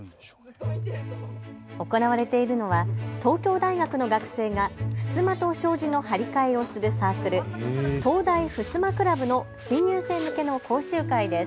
行われているのは東京大学の学生がふすまと障子の張り替えをするサークル、東大襖クラブの新入生向けの講習会です。